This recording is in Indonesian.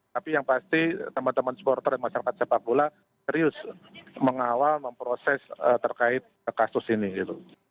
tapi yang pasti teman teman supporter dan masyarakat sepak bola serius mengawal memproses terkait kasus ini gitu